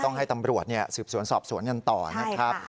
ให้ตำรวจสืบสวนสอบสวนกันต่อนะครับ